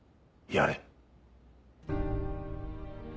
やれ。